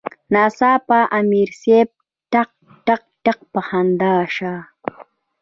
ناڅاپه امیر صېب ټق ټق پۀ خندا شۀ ـ